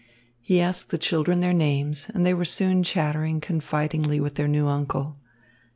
He asked the children their names, and they were soon chattering confidingly with their new uncle.